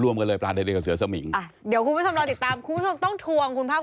ไปดูปลาตาเดียวพี่ค่อยค่อยล่อกันมาก